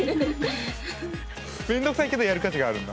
メンドくさいけどやる価値があるんだ。